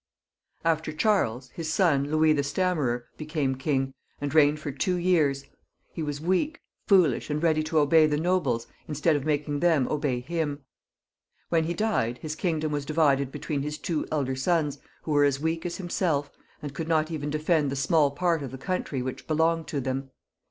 Aftei Charles, hia son, Louis the Stammers, became king, and reigned for two years ; he was weak, foolish, and ready to obey the nobles instead of making them obey him. When he died, his kingdom was divided between his two elder sons,, who were as weak as himself, and could not even defend the small part of the country which belonged to them.